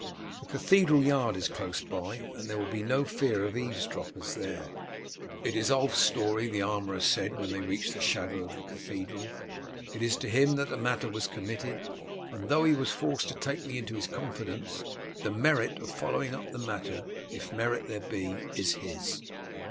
The cathedral yard is close by, and there will be no fear of eaves droppers there." "It is Ulf's story," the armourer said when they reached the shadow of the cathedral. "It is to him that the matter was committed, and though he was forced to take me into his confidence, the merit of following up the matter, if merit there be, is his."